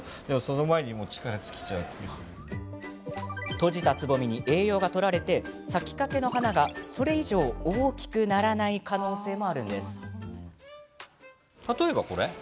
閉じたつぼみに栄養が取られて咲きかけの花がそれ以上、大きくならない可能性もあるんです。